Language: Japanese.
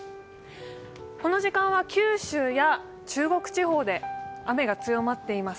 この時間は九州や中国地方で雨が強まっています。